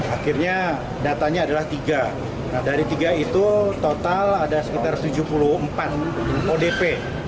akhirnya datanya adalah tiga dari tiga itu total ada sekitar tujuh puluh empat odp